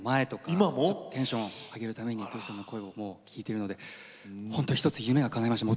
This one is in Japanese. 今も⁉テンションを上げるためにＴｏｓｈｌさんの声を聴いてるのでほんと一つ夢がかないました。